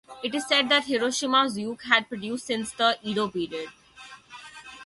It is said that Hiroshimana-zuke had produced since the Edo period.